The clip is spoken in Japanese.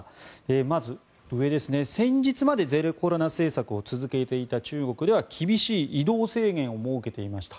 まず、先日までゼロコロナ政策を続けていた中国では厳しい移動制限を設けていました。